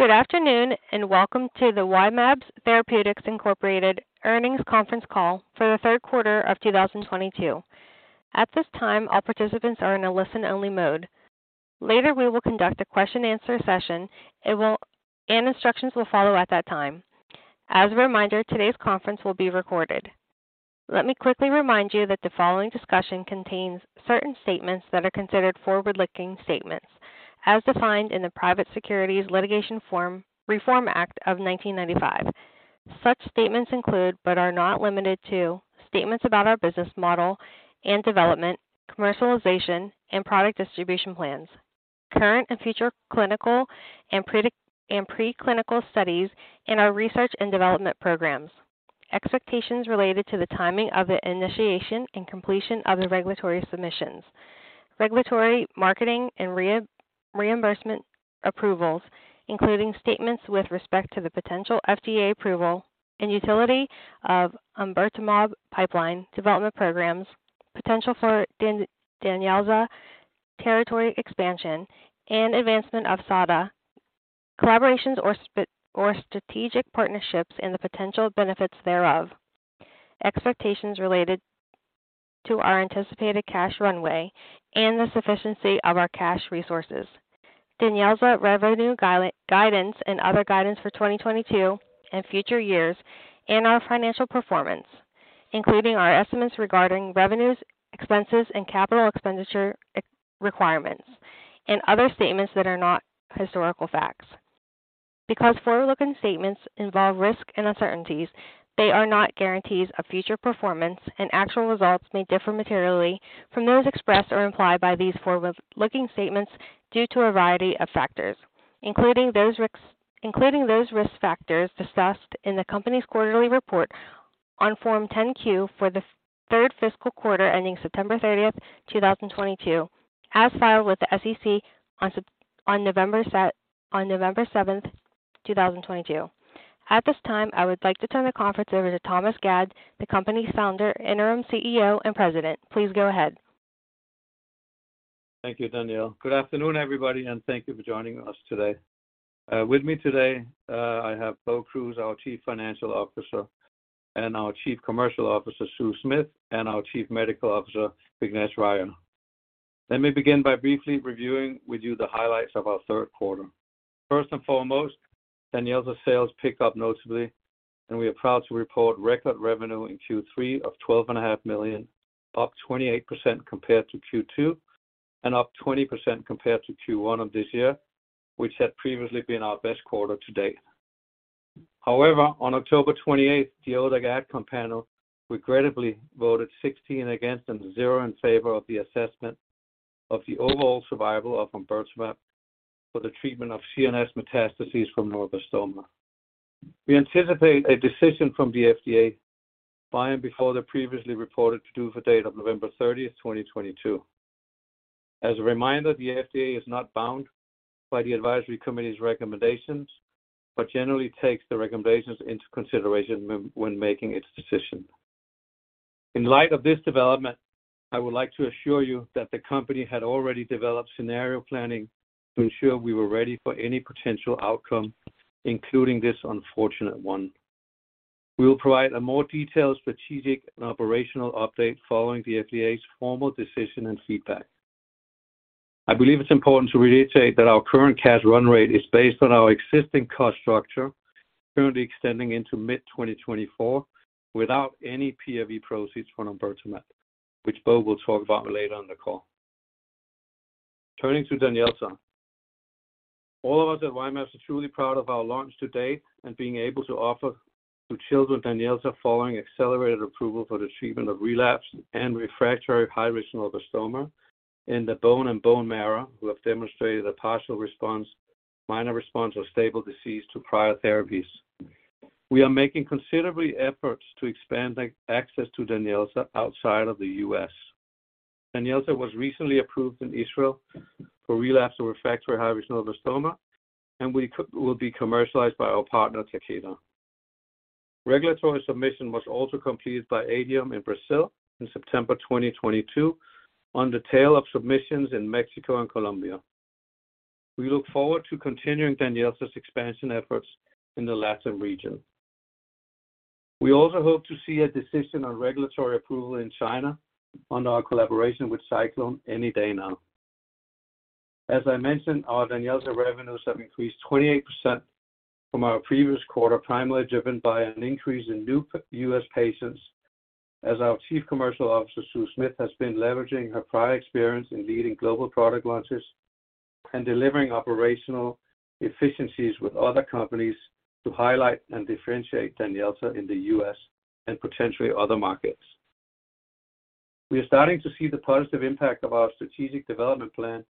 Good afternoon, and welcome to the Y-mAbs Therapeutics, Inc. Earnings Conference Call for the third quarter of 2022. At this time, all participants are in a listen-only mode. Later, we will conduct a question and answer session. Instructions will follow at that time. As a reminder, today's conference will be recorded. Let me quickly remind you that the following discussion contains certain statements that are considered forward-looking statements as defined in the Private Securities Litigation Reform Act of 1995. Such statements include, but are not limited to, statements about our business model and development, commercialization, and product distribution plans, current and future clinical and preclinical studies in our research and development programs, expectations related to the timing of the initiation and completion of the regulatory submissions, regulatory, marketing, and reimbursement approvals, including statements with respect to the potential FDA approval and utility of omburtamab pipeline development programs, potential for DANYELZA territory expansion, and advancement of SADA, collaborations or strategic partnerships, and the potential benefits thereof. Expectations related to our anticipated cash runway and the sufficiency of our cash resources. DANYELZA revenue guidance and other guidance for 2022 and future years, and our financial performance, including our estimates regarding revenues, expenses, and capital expenditure requirements, and other statements that are not historical facts. Because forward-looking statements involve risks and uncertainties, they are not guarantees of future performance, and actual results may differ materially from those expressed or implied by these forward-looking statements due to a variety of factors, including those risks, including those risk factors discussed in the company's quarterly report on Form 10-Q for the third fiscal quarter ending September 30th, 2022, as filed with the SEC on November 7th, 2022. At this time, I would like to turn the conference over to Thomas Gad, the company's founder, interim Chief Executive Officer, and president. Please go ahead. Thank you, Danielle. Good afternoon, everybody, and thank you for joining us today. With me today, I have Bo Kruse, our Chief Financial Officer, and our Chief Commercial Officer, Sue Smith, and our Chief Medical Officer, Vignesh Rajah. Let me begin by briefly reviewing with you the highlights of our third quarter. First and foremost, DANYELZA sales picked up notably, and we are proud to report record revenue in Q3 of $12.5 million, up 28% compared to Q2, and up 20% compared to Q1 of this year, which had previously been our best quarter to date. However, on October 28th, the ODAC AdComm panel regrettably voted 16 against and zero in favor of the assessment of the overall survival of omburtamab for the treatment of CNS metastases from neuroblastoma. We anticipate a decision from the FDA by and before the previously reported PDUFA date of November 30th, 2022. As a reminder, the FDA is not bound by the advisory committee's recommendations, but generally takes the recommendations into consideration when making its decision. In light of this development, I would like to assure you that the company had already developed scenario planning to ensure we were ready for any potential outcome, including this unfortunate one. We will provide a more detailed strategic and operational update following the FDA's formal decision and feedback. I believe it's important to reiterate that our current cash run rate is based on our existing cost structure, currently extending into mid-2024 without any PRV proceeds from omburtamab, which Bo will talk about later on the call. Turning to Danielle. All of us at Y-mAbs are truly proud of our launch to date and being able to offer to children DANYELZA following accelerated approval for the treatment of relapsed and refractory high-risk neuroblastoma in the bone and bone marrow who have demonstrated a partial response, minor response, or stable disease to prior therapies. We are making considerable efforts to expand access to DANYELZA outside of the US. DANYELZA was recently approved in Israel for relapsed or refractory high-risk neuroblastoma, and it will be commercialized by our partner, Takeda. Regulatory submission was also completed by Adium in Brazil in September 2022 on the tail of submissions in Mexico and Colombia. We look forward to continuing DANYELZA's expansion efforts in the Latin region. We also hope to see a decision on regulatory approval in China under our collaboration with SciClone any day now. As I mentioned, our DANYELZA revenues have increased 28% from our previous quarter, primarily driven by an increase in new U.S. patients as our Chief Commercial Officer, Sue Smith, has been leveraging her prior experience in leading global product launches and delivering operational efficiencies with other companies to highlight and differentiate DANYELZA in the U.S. and potentially other markets. We are starting to see the positive impact of our strategic development plan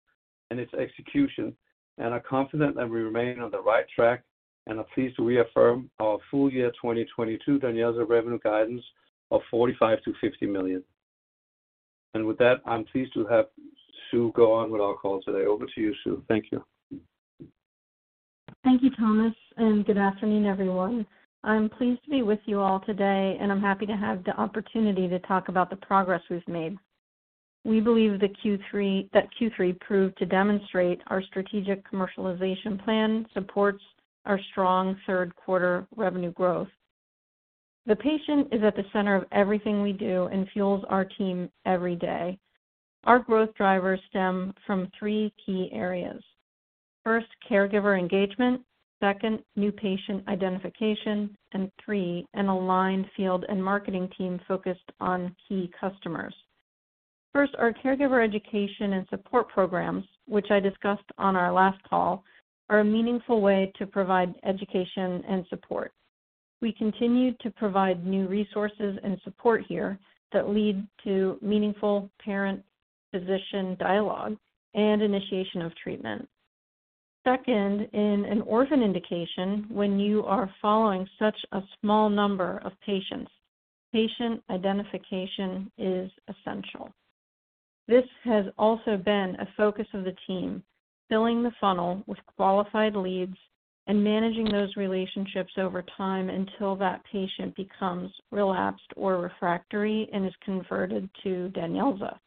and its execution and are confident that we remain on the right track and are pleased to reaffirm our full-year 2022 DANYELZA revenue guidance of $45 million-$50 million. With that, I'm pleased to have Sue go on with our call today. Over to you, Sue. Thank you. Thank you, Thomas, and good afternoon, everyone. I'm pleased to be with you all today, and I'm happy to have the opportunity to talk about the progress we've made. We believe that Q3 proved to demonstrate our strategic commercialization plan supports our strong third quarter revenue growth. The patient is at the center of everything we do and fuels our team every day. Our growth drivers stem from three key areas. First, caregiver engagement. Second, new patient identification. Three, an aligned field and marketing team focused on key customers. First, our caregiver education and support programs, which I discussed on our last call, are a meaningful way to provide education and support. We continue to provide new resources and support here that lead to meaningful parent-physician dialogue and initiation of treatment. Second, in an orphan indication, when you are following such a small number of patients, patient identification is essential. This has also been a focus of the team, filling the funnel with qualified leads and managing those relationships over time until that patient becomes relapsed or refractory and is converted to DANYELZA.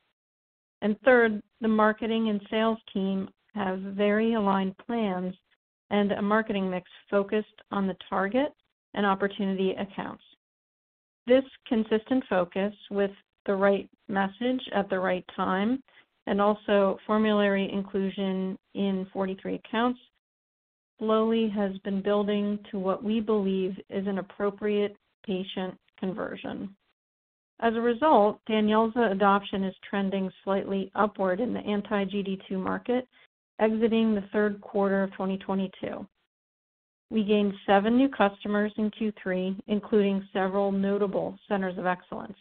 Third, the marketing and sales team have very aligned plans and a marketing mix focused on the target and opportunity accounts. This consistent focus with the right message at the right time and also formulary inclusion in 43 accounts slowly has been building to what we believe is an appropriate patient conversion. As a result, DANYELZA adoption is trending slightly upward in the anti-GD2 market exiting the third quarter of 2022. We gained seven new customers in Q3, including several notable centers of excellence.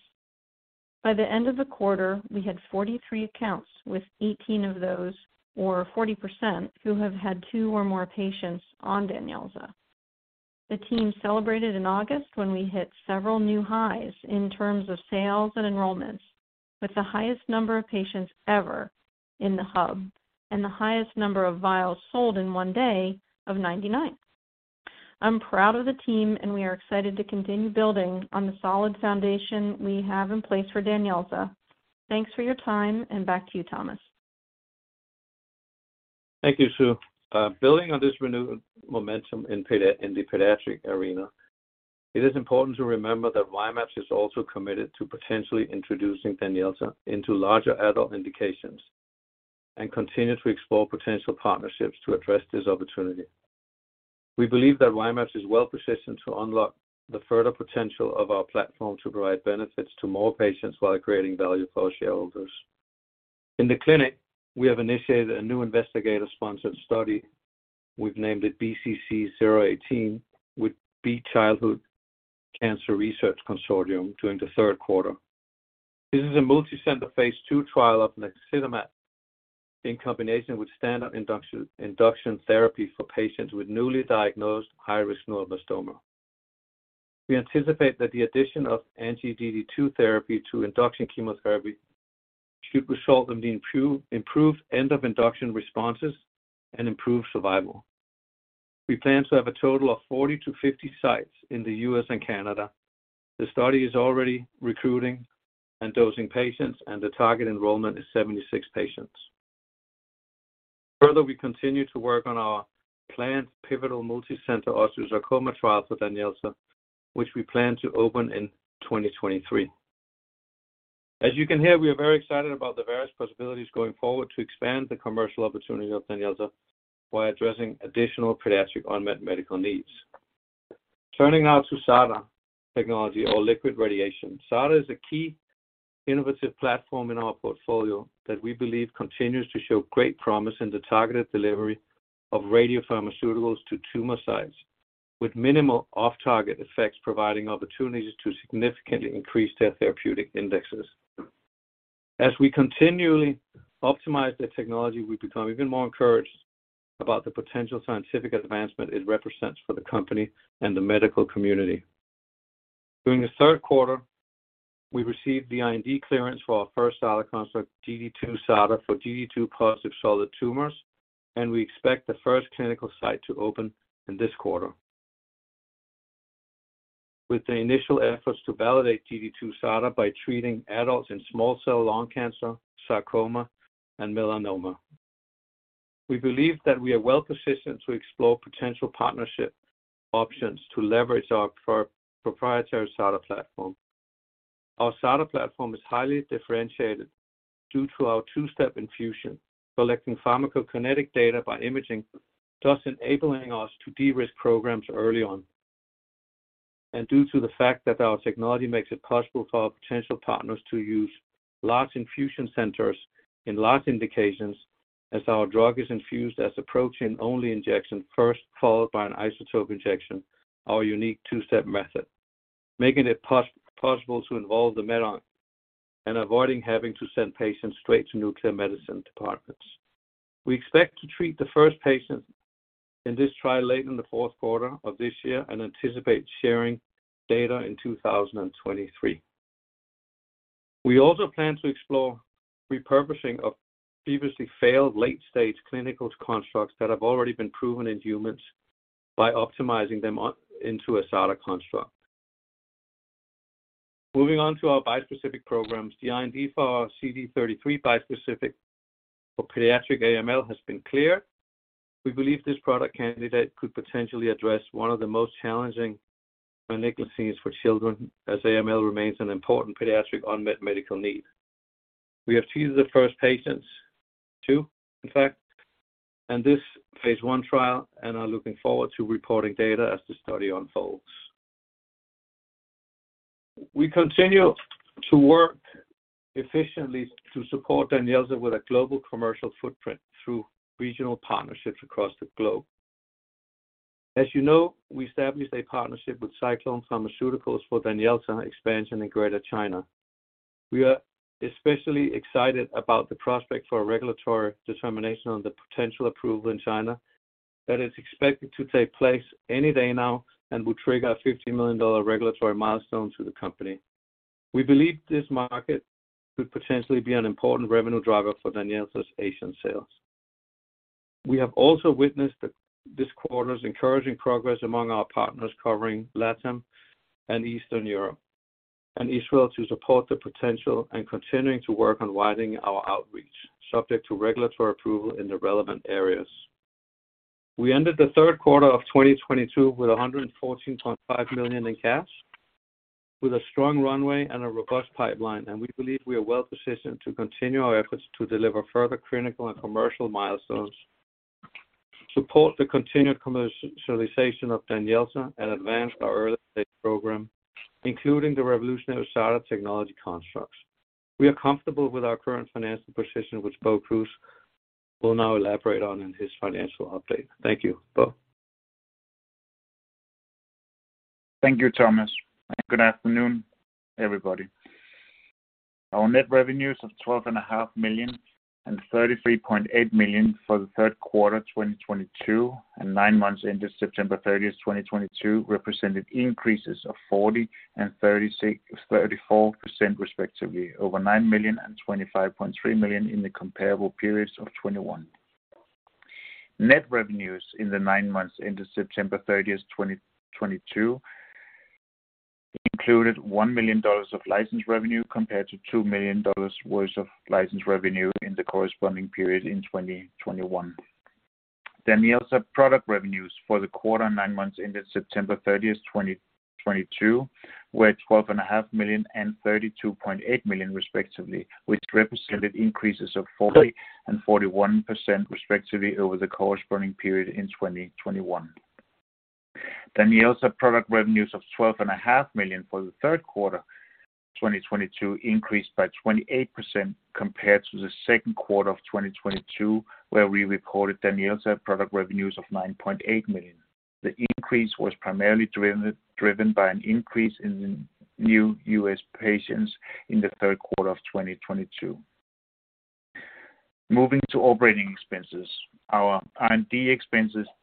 By the end of the quarter, we had 43 accounts, with 18 accounts of those, or 40%, who have had two or more patients on DANYELZA. The team celebrated in August when we hit several new highs in terms of sales and enrollments, with the highest number of patients ever in the hub and the highest number of vials sold in one day of 99. I'm proud of the team, and we are excited to continue building on the solid foundation we have in place for DANYELZA. Thanks for your time, and back to you, Thomas. Thank you, Sue. Building on this renewed momentum in the pediatric arena, it is important to remember that Y-mAbs is also committed to potentially introducing DANYELZA into larger adult indications and continue to explore potential partnerships to address this opportunity. We believe that Y-mAbs is well-positioned to unlock the further potential of our platform to provide benefits to more patients while creating value for our shareholders. In the clinic, we have initiated a new investigator-sponsored study. We've named it BCC018 with Beat Childhood Cancer Research Consortium during the third quarter. This is a multicenter phase II trial of naxitamab in combination with standard induction therapy for patients with newly diagnosed high-risk neuroblastoma. We anticipate that the addition of anti-GD2 therapy to induction chemotherapy should result in the improved end of induction responses and improved survival. We plan to have a total of 40 sites-50 sites in the U.S. and Canada. The study is already recruiting and dosing patients, and the target enrollment is 76 patients. Further, we continue to work on our planned pivotal multicenter osteosarcoma trial for DANYELZA, which we plan to open in 2023. As you can hear, we are very excited about the various possibilities going forward to expand the commercial opportunity of DANYELZA while addressing additional pediatric unmet medical needs. Turning now to SADA technology or liquid radiation. SADA is a key innovative platform in our portfolio that we believe continues to show great promise in the targeted delivery of radiopharmaceuticals to tumor sites with minimal off-target effects, providing opportunities to significantly increase their therapeutic indexes. As we continually optimize the technology, we become even more encouraged about the potential scientific advancement it represents for the company and the medical community. During the third quarter, we received the IND clearance for our first SADA construct, GD2-SADA for GD2-positive solid tumors, and we expect the first clinical site to open in this quarter, with the initial efforts to validate GD2-SADA by treating adults in small cell lung cancer, sarcoma, and melanoma. We believe that we are well-positioned to explore potential partnership options to leverage our proprietary SADA platform. Our SADA platform is highly differentiated due to our two-step infusion, collecting pharmacokinetic data by imaging, thus enabling us to de-risk programs early on. Due to the fact that our technology makes it possible for our potential partners to use large infusion centers in large indications as our drug is infused as a protein-only injection first, followed by an isotope injection, our unique two-step method, making it possible to involve the med-onc and avoiding having to send patients straight to nuclear medicine departments. We expect to treat the first patient in this trial late in the fourth quarter of this year and anticipate sharing data in 2023. We also plan to explore repurposing of previously failed late-stage clinical constructs that have already been proven in humans by optimizing them on, into a SADA construct. Moving on to our bispecific programs. The IND for our CD33 bispecific for pediatric AML has been cleared. We believe this product candidate could potentially address one of the most challenging unmet needs for children, as AML remains an important pediatric unmet medical need. We have treated the first patients, two in fact, in this phase I trial and are looking forward to reporting data as the study unfolds. We continue to work efficiently to support DANYELZA with a global commercial footprint through regional partnerships across the globe. As you know, we established a partnership with SciClone Pharmaceuticals for DANYELZA expansion in Greater China. We are especially excited about the prospect for a regulatory determination on the potential approval in China that is expected to take place any day now and will trigger a $50 million regulatory milestone to the company. We believe this market could potentially be an important revenue driver for DANYELZA's Asian sales. We have also witnessed this quarter's encouraging progress among our partners covering LATAM and Eastern Europe and Israel to support the potential and continuing to work on widening our outreach subject to regulatory approval in the relevant areas. We ended the third quarter of 2022 with $114.5 million in cash, with a strong runway and a robust pipeline, and we believe we are well-positioned to continue our efforts to deliver further clinical and commercial milestones, support the continued commercialization of DANYELZA, and advance our early-stage program, including the revolutionary SADA technology constructs. We are comfortable with our current financial position, which Bo Kruse will now elaborate on in his financial update. Thank you. Bo. Thank you, Thomas, and good afternoon, everybody. Our net revenues of $12.5 million and $33.8 million for the third quarter 2022 and nine months ended September 30th, 2022, represented increases of 40% and 34% respectively over $9 million and $25.3 million in the comparable periods of 2021. Net revenues in the nine months ended September 30th, 2022 included $1 million of license revenue compared to $2 million worth of license revenue in the corresponding period in 2021. DANYELZA product revenues for the quarter nine months ended September 30th, 2022 were $12.5 million and $32.8 million, respectively, which represented increases of 40% and 41% respectively over the corresponding period in 2021. DANYELZA product revenues of $12.5 million for the third quarter 2022 increased by 28% compared to the second quarter of 2022, where we reported DANYELZA product revenues of $9.8 million. The increase was primarily driven by an increase in new U.S. patients in the third quarter of 2022. Moving to operating expenses. Our R&D expenses decreased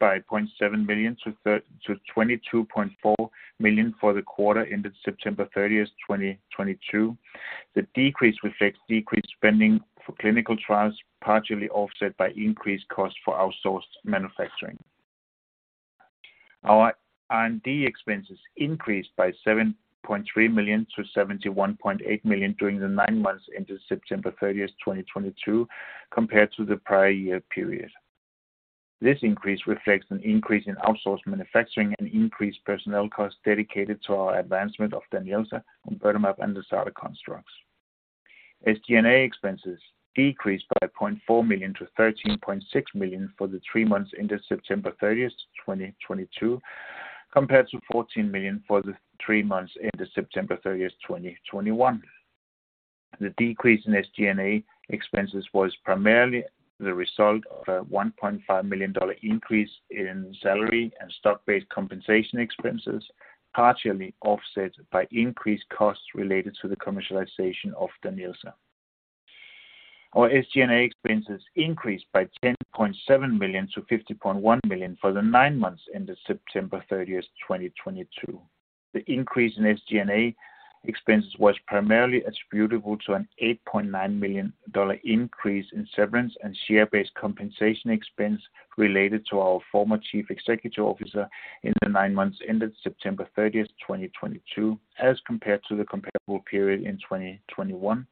by $0.7 million-$22.4 million for the quarter ended September 30th, 2022. The decrease reflects decreased spending for clinical trials, partially offset by increased costs for outsourced manufacturing. Our R&D expenses increased by $7.3 million-$71.8 million during the nine months ended September 30th, 2022 compared to the prior year period. This increase reflects an increase in outsourced manufacturing and increased personnel costs dedicated to our advancement of DANYELZA, omburtamab, and the SADA constructs. SG&A expenses decreased by $0.4 million-$13.6 million for the three months ended September 30th, 2022, compared to $14 million for the three months ended September 30th, 2021. The decrease in SG&A expenses was primarily the result of a $1.5 million decrease in salary and stock-based compensation expenses, partially offset by increased costs related to the commercialization of DANYELZA. Our SG&A expenses increased by $10.7 million-$50.1 million for the nine months ended September 30th, 2022. The increase in SG&A expenses was primarily attributable to an $8.9 million increase in severance and share-based compensation expense related to our former chief executive officer in the nine months ended September 30th, 2022, as compared to the comparable period in 2021,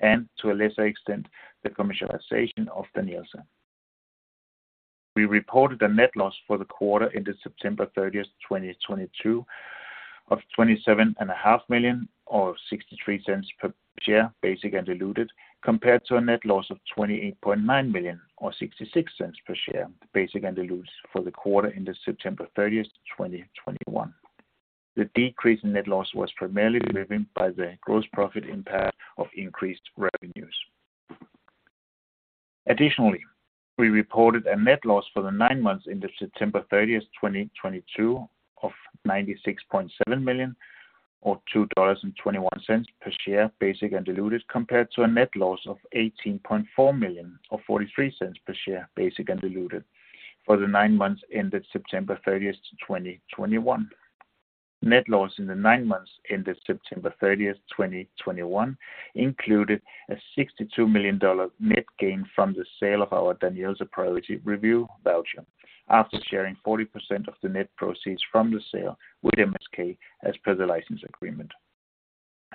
and to a lesser extent, the commercialization of DANYELZA. We reported a net loss for the quarter ended September 30th, 2022 of $27.5 million or $0.63 per share, basic and diluted, compared to a net loss of $28.9 million or $0.66 per share, basic and diluted for the quarter ended September 30th, 2021. The decrease in net loss was primarily driven by the gross profit impact of increased revenues. Additionally, we reported a net loss for the nine months ended September 30th, 2022 of $96.7 million or $2.21 per share, basic and diluted, compared to a net loss of $18.4 million or $0.43 per share, basic and diluted for the nine months ended September 30th, 2021. Net loss in the nine months ended September 30th, 2021 included a $62 million net gain from the sale of our DANYELZA priority review voucher after sharing 40% of the net proceeds from the sale with MSK as per the license agreement.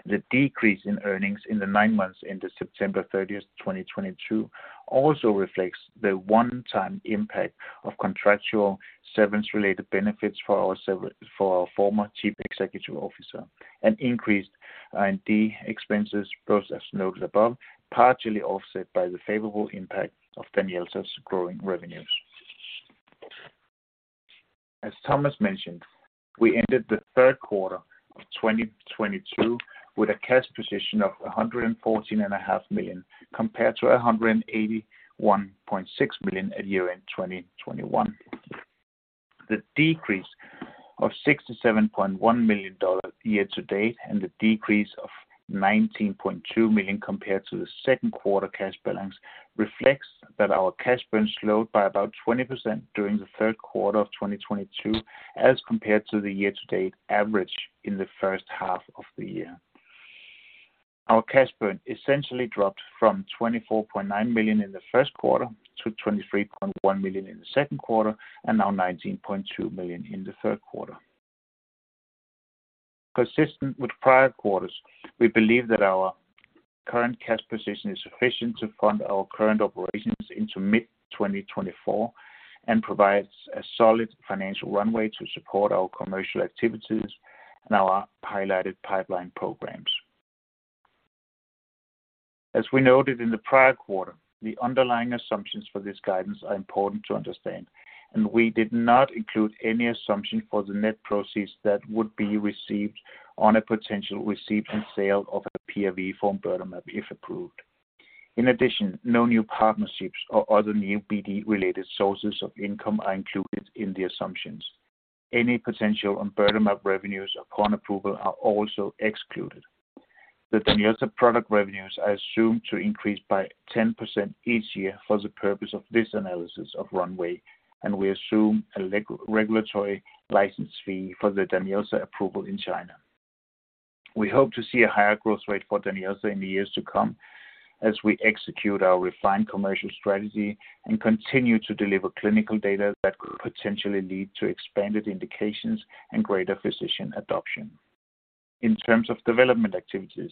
The decrease in earnings in the nine months ended September 30th, 2022 also reflects the one-time impact of contractual severance-related benefits for our former chief executive officer and increased R&D expenses, both as noted above, partially offset by the favorable impact of DANYELZA's growing revenues. As Thomas mentioned, we ended the third quarter of 2022 with a cash position of $114.5 million, compared to $181.6 million at year-end 2021. The decrease of $67.1 million year to date and the decrease of $19.2 million compared to the second quarter cash balance reflects that our cash burn slowed by about 20% during the third quarter of 2022, as compared to the year-to-date average in the first half of the year. Our cash burn essentially dropped from $24.9 million in the first quarter to $23.1 million in the second quarter and now $19.2 million in the third quarter. Consistent with prior quarters, we believe that our current cash position is sufficient to fund our current operations into mid-2024 and provides a solid financial runway to support our commercial activities and our highlighted pipeline programs. As we noted in the prior quarter, the underlying assumptions for this guidance are important to understand, and we did not include any assumption for the net proceeds that would be received on a potential receipt and sale of a PRV for omburtamab, if approved. In addition, no new partnerships or other new BD-related sources of income are included in the assumptions. Any potential omburtamab revenues upon approval are also excluded. The DANYELZA product revenues are assumed to increase by 10% each year for the purpose of this analysis of runway, and we assume a regulatory license fee for the DANYELZA approval in China. We hope to see a higher growth rate for DANYELZA in the years to come as we execute our refined commercial strategy and continue to deliver clinical data that could potentially lead to expanded indications and greater physician adoption. In terms of development activities,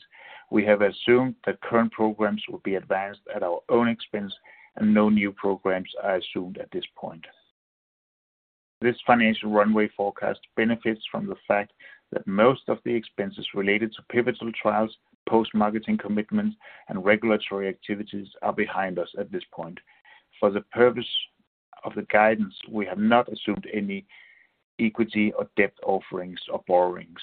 we have assumed that current programs will be advanced at our own expense and no new programs are assumed at this point. This financial runway forecast benefits from the fact that most of the expenses related to pivotal trials, post-marketing commitments, and regulatory activities are behind us at this point. For the purpose of the guidance, we have not assumed any equity or debt offerings or borrowings.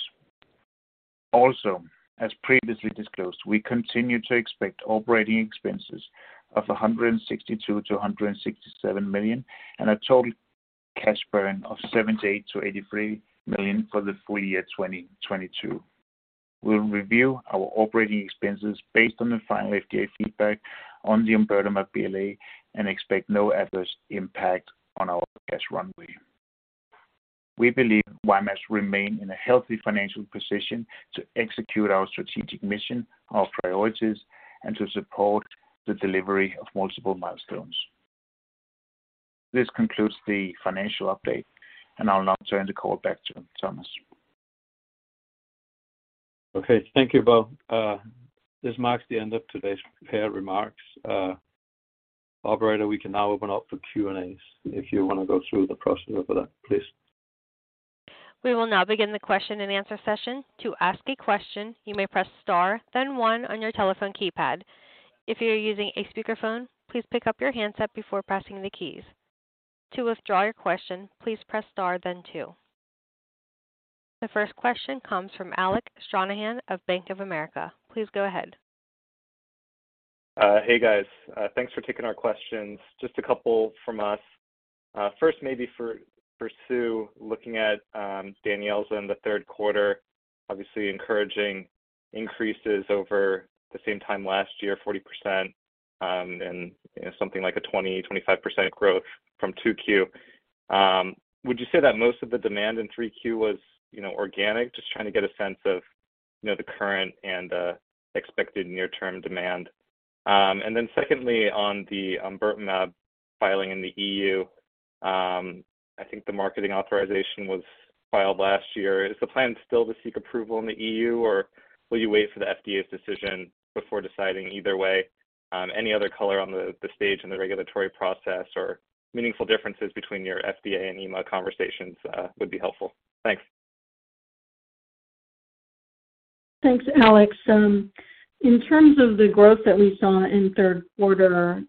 Also, as previously disclosed, we continue to expect operating expenses of $162 million-$167 million and a total cash burn of $78 million-$83 million for the full year 2022. We'll review our operating expenses based on the final FDA feedback on the omburtamab BLA and expect no adverse impact on our cash runway. We believe Y-mAbs remain in a healthy financial position to execute our strategic mission, our priorities, and to support the delivery of multiple milestones. This concludes the financial update, and I'll now turn the call back to Thomas. Okay. Thank you, Bo. This marks the end of today's prepared remarks. Operator, we can now open up for Q&As if you wanna go through the process for that, please. We will now begin the question and answer session. To ask a question, you may press star then one on your telephone keypad. If you're using a speakerphone, please pick up your handset before pressing the keys. To withdraw your question, please press star then two. The first question comes from Alec Stranahan of Bank of America. Please go ahead. Hey, guys. Thanks for taking our questions. Just a couple from us. First maybe for Sue, looking at DANYELZA in the third quarter, obviously encouraging increases over the same time last year, 40%, and something like a 20%-25% growth from 2Q. Would you say that most of the demand in 3Q was, you know, organic? Just trying to get a sense of, you know, the current and expected near-term demand. Secondly, on the omburtamab filing in the EU, I think the marketing authorization was filed last year. Is the plan still to seek approval in the EU, or will you wait for the FDA's decision before deciding either way? Any other color on the stage in the regulatory process or meaningful differences between your FDA and EMA conversations would be helpful? Thanks. Thanks, Alec. In terms of the growth that we saw in third quarter,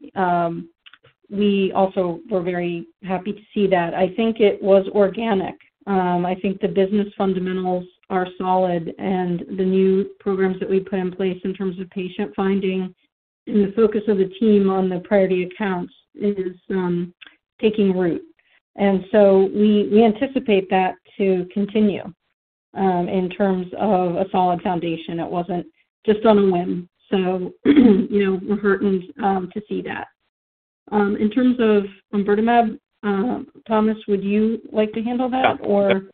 we also were very happy to see that. I think it was organic. I think the business fundamentals are solid, and the new programs that we put in place in terms of patient finding and the focus of the team on the priority accounts is taking root. We anticipate that to continue in terms of a solid foundation. It wasn't just on a whim. You know, we're heartened to see that. In terms of omburtamab, Thomas, would you like to handle that or?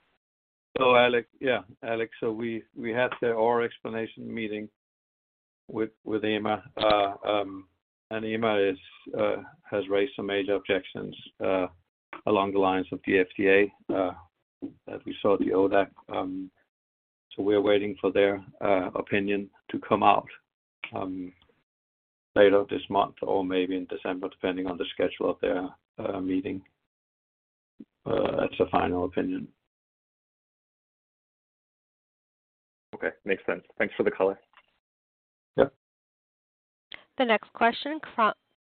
Alec, yeah. We had the oral explanation meeting with EMA. EMA has raised some major objections along the lines of the FDA, as we saw the ODAC. We're waiting for their opinion to come out later this month or maybe in December, depending on the schedule of their meeting. That's the final opinion. Okay. Makes sense. Thanks for the color. Yep. The next question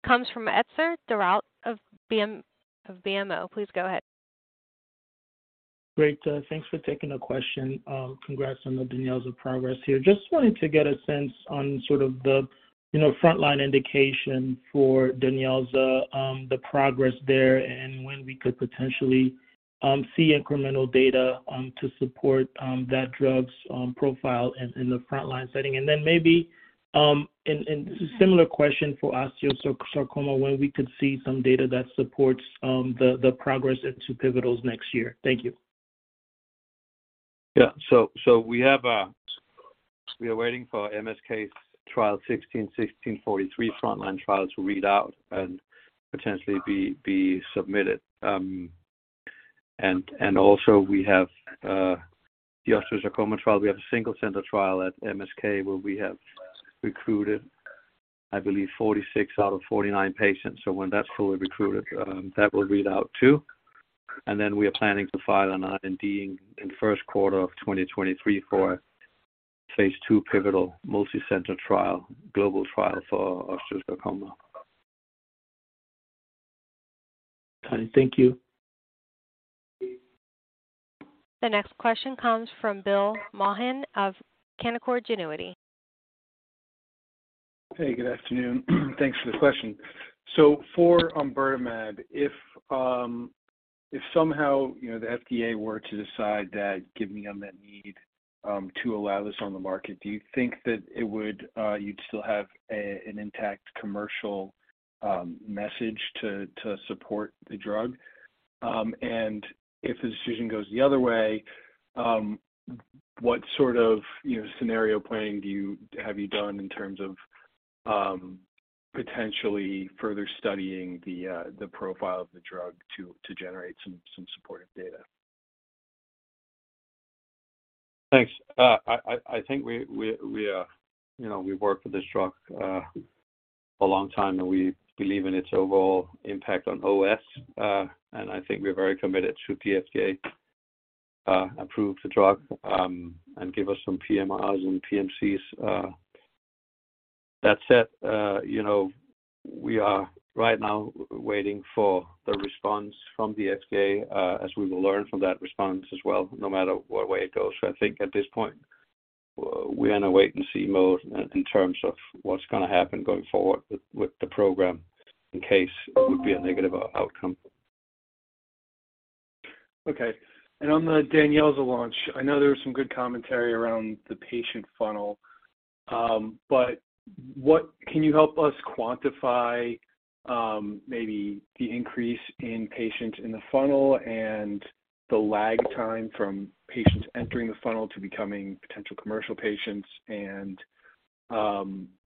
comes from Etzer Darout of BMO. Please go ahead. Great. Thanks for taking the question. Congrats on the DANYELZA progress here. Just wanted to get a sense on sort of the, you know, frontline indication for DANYELZA, the progress there and when we could potentially see incremental data to support that drug's profile in the frontline setting. Maybe a similar question for osteosarcoma, when we could see some data that supports the progress into pivotals next year. Thank you. We are waiting for MSK's trial 16-1643 frontline trial to read out and potentially be submitted. Also we have the osteosarcoma trial, a single center trial at MSK where we have recruited, I believe, 46 patients out of 49 patients. When that's fully recruited, that will read out too. We are planning to file an IND in first quarter of 2023 for phase II pivotal multi-center trial, global trial for osteosarcoma. Got it. Thank you. The next question comes from Bill Maughan of Canaccord Genuity. Hey, good afternoon. Thanks for the question. For omburtamab, if somehow, you know, the FDA were to decide that given the unmet need, to allow this on the market, do you think that it would, you'd still have a, an intact commercial, message to support the drug? If the decision goes the other way, what sort of, you know, scenario planning do you have you done in terms of, potentially further studying the profile of the drug to generate some supportive data? Thanks. I think you know, we've worked with this drug a long time, and we believe in its overall impact on OS. I think we're very committed to the FDA approve the drug, and give us some PMRs and PMCs. That said, you know, we are right now waiting for the response from the FDA, as we will learn from that response as well, no matter what way it goes. I think at this point, we're in a wait and see mode in terms of what's gonna happen going forward with the program in case it would be a negative outcome. Okay. On the DANYELZA launch, I know there was some good commentary around the patient funnel. Can you help us quantify maybe the increase in patients in the funnel and the lag time from patients entering the funnel to becoming potential commercial patients, and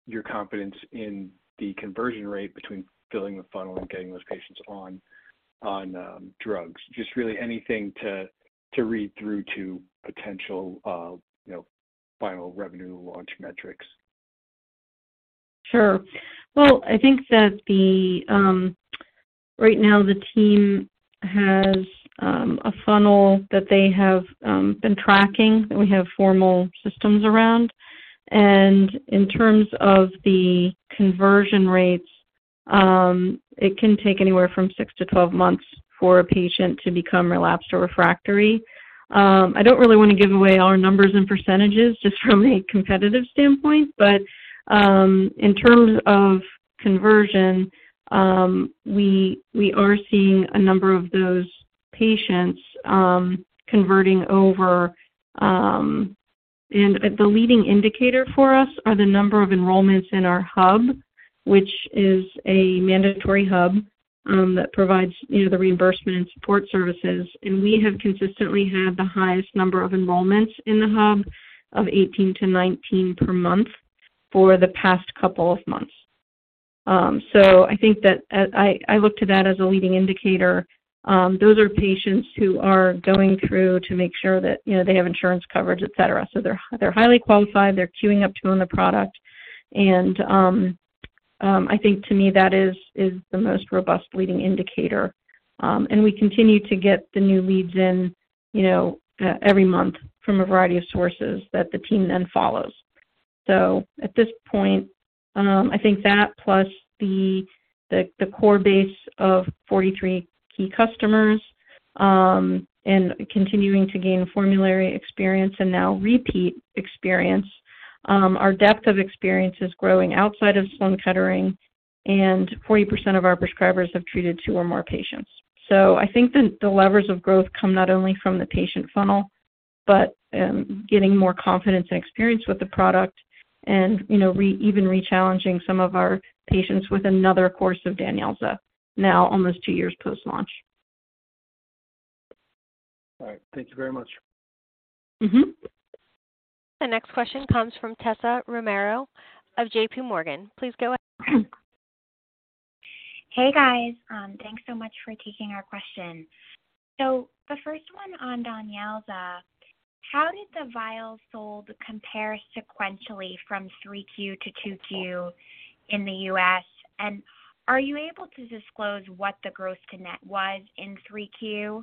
your confidence in the conversion rate between filling the funnel and getting those patients on drugs? Just really anything to read through to potential you know final revenue launch metrics. Sure. Well, I think that the right now the team has a funnel that they have been tracking, that we have formal systems around. In terms of the conversion rates, it can take anywhere from 6-12 months for a patient to become relapsed or refractory. I don't really wanna give away our numbers and percentages just from a competitive standpoint, but in terms of conversion, we are seeing a number of those patients converting over. The leading indicator for us are the number of enrollments in our hub, which is a mandatory hub that provides, you know, the reimbursement and support services. We have consistently had the highest number of enrollments in the hub of 18 per month-19 per month for the past couple of months. I think that I look to that as a leading indicator. Those are patients who are going through to make sure that, you know, they have insurance coverage, et cetera. They're highly qualified. They're queuing up to own the product. I think to me that is the most robust leading indicator. We continue to get the new leads in, you know, every month from a variety of sources that the team then follows. At this point, I think that plus the core base of 43 key customers, and continuing to gain formulary experience and now repeat experience, our depth of experience is growing outside of Sloan Kettering, and 40% of our prescribers have treated two or more patients. I think the levers of growth come not only from the patient funnel, but getting more confidence and experience with the product and, you know, even rechallenging some of our patients with another course of DANYELZA now almost two years post-launch. All right. Thank you very much. Mm-hmm. The next question comes from Tessa Romero of JPMorgan. Please go ahead. Hey, guys. Thanks so much for taking our question. The first one on DANYELZA. How did the vials sold compare sequentially from 3Q-2Q in the U.S., and are you able to disclose what the gross to net was in 3Q?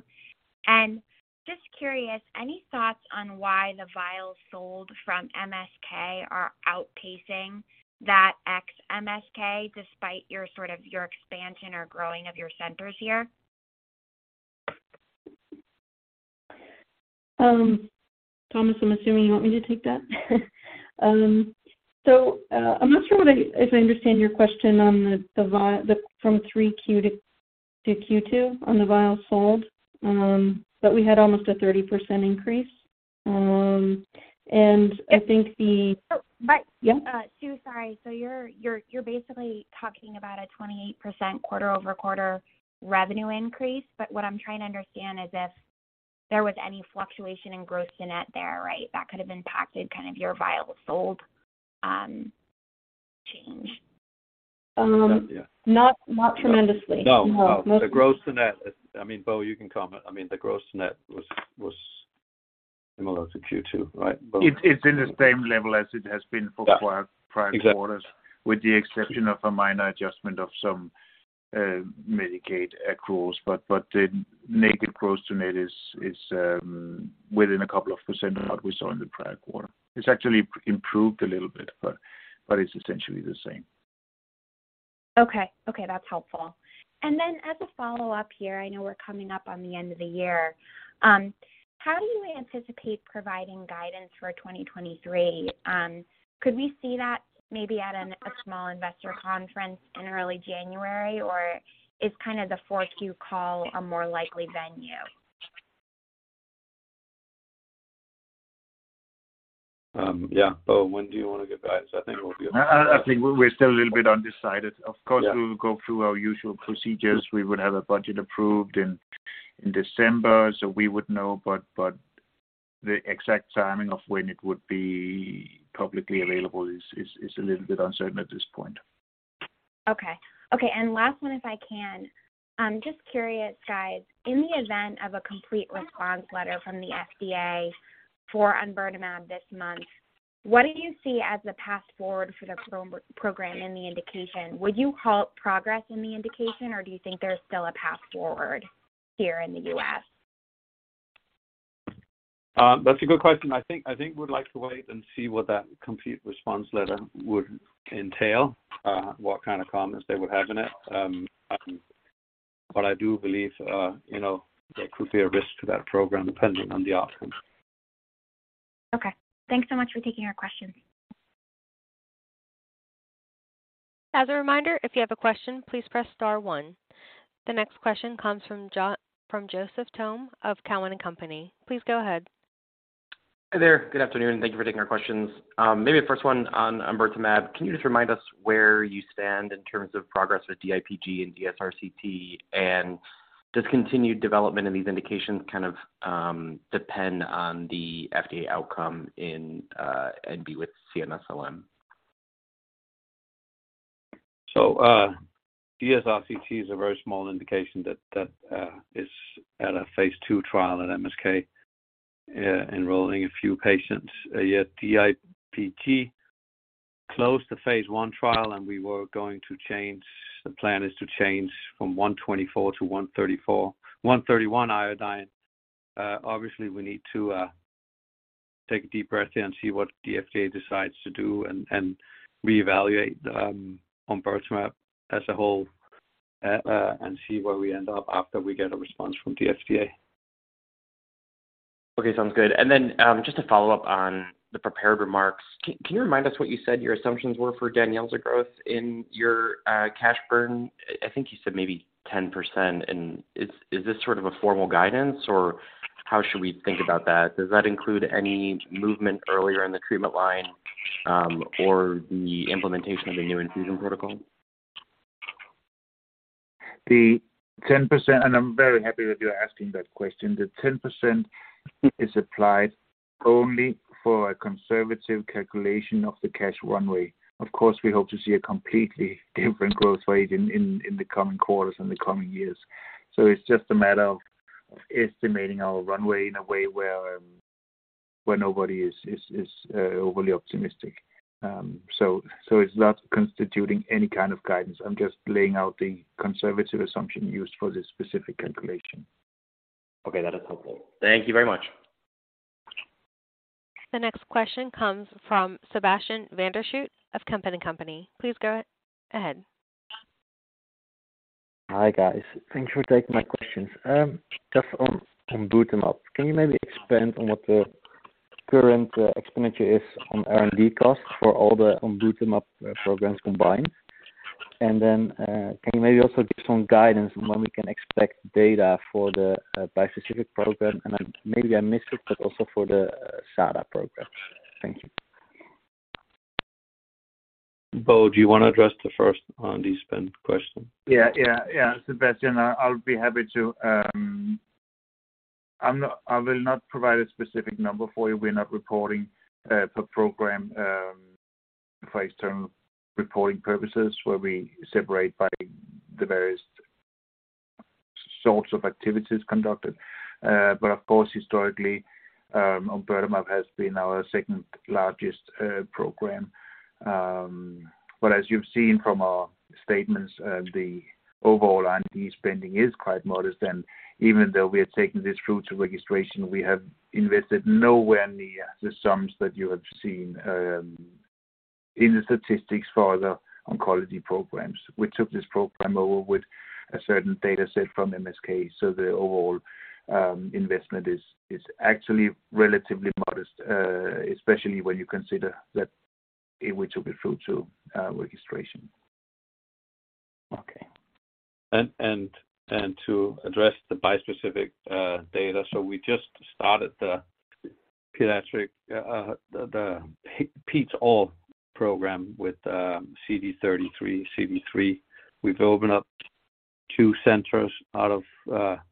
Just curious, any thoughts on why the vials sold from MSK are outpacing that ex-MSK despite your expansion or growing of your centers here? Thomas, I'm assuming you want me to take that. I'm not sure if I understand your question on the vials from 3Q-Q2 on the vials sold. We had almost a 30% increase. I think the Oh, but- Yeah. Sue, sorry. You're basically talking about a 28% quarter-over-quarter revenue increase. What I'm trying to understand is if there was any fluctuation in gross to net there, right? That could have impacted kind of your vials sold change. Um. Yeah, yeah. Not tremendously. No. No. The gross to net, I mean, Bo, you can comment. I mean, the gross to net was similar to Q2, right, Bo? It's in the same level as it has been for. Yeah Prior quarters, with the exception of a minor adjustment of some Medicaid accruals. The gross-to-net is within a couple of % of what we saw in the prior quarter. It's actually improved a little bit, it's essentially the same. Okay. Okay, that's helpful. As a follow-up here, I know we're coming up on the end of the year. How do you anticipate providing guidance for 2023? Could we see that maybe at a small investor conference in early January, or is kind of the fourth Q call a more likely venue? Yeah. Bo, when do you wanna give guidance? I think we're still a little bit undecided. Yeah... we'll go through our usual procedures. We would have a budget approved in December, so we would know. The exact timing of when it would be publicly available is a little bit uncertain at this point. Okay. Okay, last one, if I can. I'm just curious, guys. In the event of a complete response letter from the FDA for omburtamab this month, what do you see as the path forward for the program in the indication? Would you call it progress in the indication, or do you think there's still a path forward here in the U.S.? That's a good question. I think we'd like to wait and see what that complete response letter would entail, what kind of comments they would have in it. I do believe, you know, there could be a risk to that program depending on the outcome. Okay. Thanks so much for taking our questions. As a reminder, if you have a question, please press star one. The next question comes from Joseph Thome of Cowen and Company. Please go ahead. Hi there. Good afternoon. Thank you for taking our questions. Maybe the first one on omburtamab. Can you just remind us where you stand in terms of progress with DIPG and DSRCT? Does continued development in these indications kind of depend on the FDA outcome in NB with CNSLM? DSRCT is a very small indication that is at a phase II trial at MSK, enrolling a few patients. DIPG closed the phase 1 trial, and we were going to change. The plan is to change from 124 iodine-131 iodine. Obviously we need to take a deep breath here and see what the FDA decides to do and reevaluate omburtamab as a whole and see where we end up after we get a response from the FDA. Okay. Sounds good. Then, just to follow up on the prepared remarks. Can you remind us what you said your assumptions were for DANYELZA growth in your cash burn? I think you said maybe 10%. Is this sort of a formal guidance, or how should we think about that? Does that include any movement earlier in the treatment line, or the implementation of a new infusion protocol? The 10%, and I'm very happy that you're asking that question. The 10% is applied only for a conservative calculation of the cash runway. Of course, we hope to see a completely different growth rate in the coming quarters, in the coming years. It's just a matter of estimating our runway in a way where nobody is overly optimistic. It's not constituting any kind of guidance. I'm just laying out the conservative assumption used for this specific calculation. Okay. That is helpful. Thank you very much. The next question comes from Sébastien Van der Schoot of Kempen & Co. Please go ahead. Hi, guys. Thank you for taking my questions. Just on omburtamab. Can you maybe expand on what the current expenditure is on R&D costs for all the omburtamab programs combined? Then, can you maybe also give some guidance on when we can expect data for the bispecific program? Maybe I missed it, but also for the SADA program. Thank you. Bo, do you want to address the first R&D spend question? Yeah, Sébastien, I'll be happy to. I will not provide a specific number for you. We're not reporting per program for external reporting purposes where we separate by the various sorts of activities conducted. Of course, historically, omburtamab has been our second-largest program. As you've seen from our statements, the overall R&D spending is quite modest. Even though we are taking this through to registration, we have invested nowhere near the sums that you have seen in the statistics for other oncology programs. We took this program over with a certain data set from MSK, so the overall investment is actually relatively modest, especially when you consider that it will be through to registration. Okay. To address the bispecific data. We just started the pediatric peds AML program with CD33, CD3. We've opened up two centers out of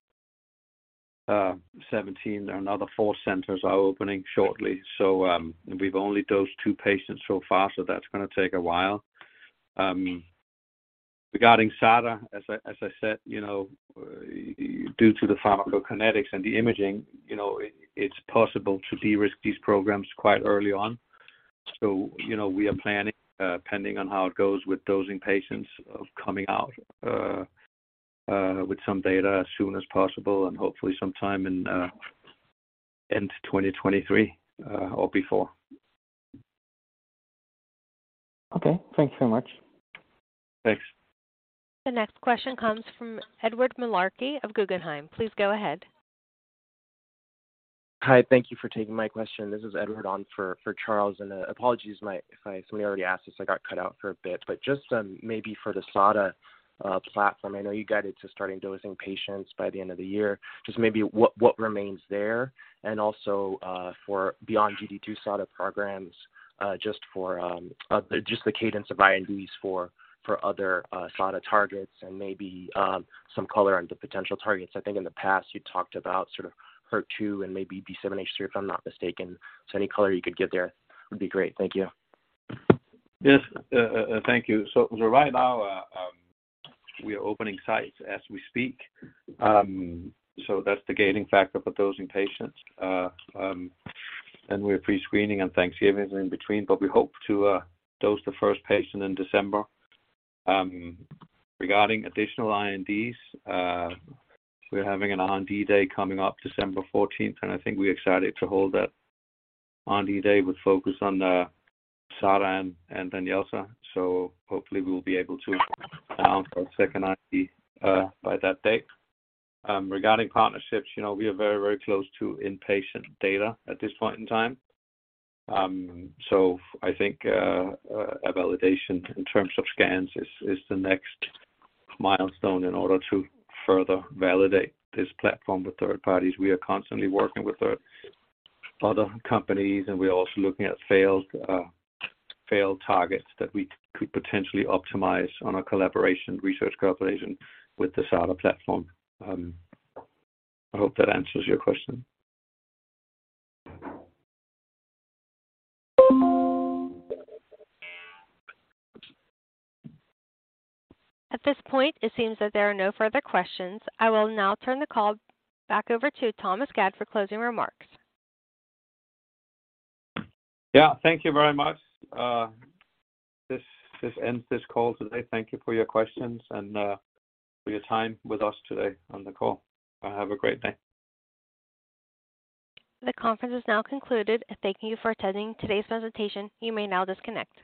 17. Another four centers are opening shortly. We've only dosed two patients so far, so that's gonna take a while. Regarding SADA, as I said, you know, due to the pharmacokinetics and the imaging, you know, it's possible to de-risk these programs quite early on. We are planning, pending on how it goes with dosing patients of coming out with some data as soon as possible and hopefully sometime in end 2023 or before. Okay. Thank you so much. Thanks. The next question comes from Edouard Mullarky of Guggenheim. Please go ahead. Hi. Thank you for taking my question. This is Edward on for Charles. Apologies if somebody already asked this. I got cut out for a bit. Just maybe for the SADA platform. I know you guided to starting dosing patients by the end of the year. Just maybe what remains there? Also, for beyond GD2-SADA programs, just the cadence of INDs for other SADA targets and maybe some color on the potential targets. I think in the past you talked about sort of HER2 and maybe B7H3, if I'm not mistaken. Any color you could give there would be great. Thank you. Yes. Thank you. Right now, we are opening sites as we speak. That's the gating factor for dosing patients. We're pre-screening, and Thanksgiving is in between, but we hope to dose the first patient in December. Regarding additional INDs, we're having an R&D day coming up December fourteenth, and I think we're excited to hold that R&D day with focus on SADA and then also. Hopefully we'll be able to announce our second IND by that date. Regarding partnerships, you know, we are very close to inpatient data at this point in time. I think a validation in terms of scans is the next milestone in order to further validate this platform with third parties. We are constantly working with other companies, and we are also looking at failed targets that we could potentially optimize on a collaboration, research collaboration with the SADA platform. I hope that answers your question. At this point, it seems that there are no further questions. I will now turn the call back over to Thomas Gad for closing remarks. Yeah. Thank you very much. This ends this call today. Thank you for your questions and for your time with us today on the call. Have a great day. The conference is now concluded. Thank you for attending today's presentation. You may now disconnect.